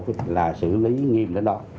thì là xử lý nghiêm đến đó